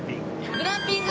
グランピング！